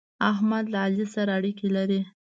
احمد له علي سره اړېکې لري.